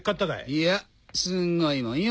いやすごいもんよ